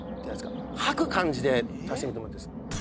吐く感じで出してみてもらっていいですか？